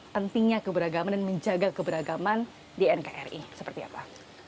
pentingnya keberagaman dan menjaga keberagaman di nkri seperti apa